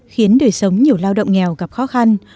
khiến đời sống nhiều lao động nghèo gặp khó khăn